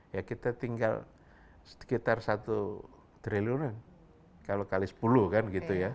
ya kita tinggal sekitar satu triliunan kalau kali sepuluh kan gitu ya